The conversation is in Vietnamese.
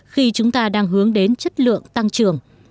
khi chúng ta đang hướng đến chất lượng tăng trưởng